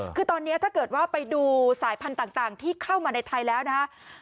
คือตอนนี้ถ้าเกิดว่าไปดูสายพันธุ์ต่างที่เข้ามาในไทยแล้วนะครับ